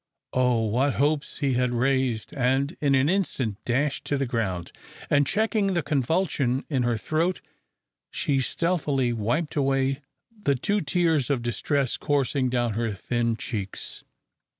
Oh! what hopes he had raised, and in an instant dashed to the ground, and checking the convulsion in her throat, she stealthily wiped away the two tears of distress coursing down her thin cheeks.